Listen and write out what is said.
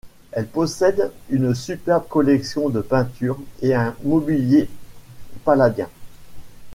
Elle possède une superbe collection de peintures et un mobilier palladien.